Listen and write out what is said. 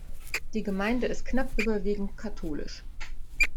Die Gemeinde ist knapp überwiegend katholisch.